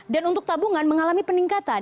dan untuk tabungan mengalami peningkatan